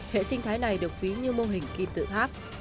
hệ sinh thái này được ví như mô hình kim tự tháp